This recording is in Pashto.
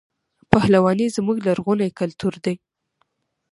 پهلواني زموږ لرغونی کلتور دی.